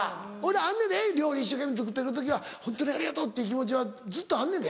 あんねんで料理一生懸命作ってる時はホントにありがとうっていう気持ちはずっとあんねんで。